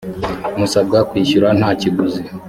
musabwa kwishyura ntakiguzi.